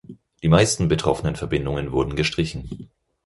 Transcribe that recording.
Die meisten betroffenen Verbindungen wurden gestrichen.